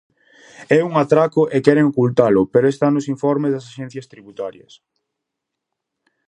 É un atraco e queren ocultalo, pero está nos informes das axencias tributarias.